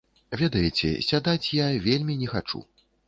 Ведаеце, сядаць я вельмі не хачу.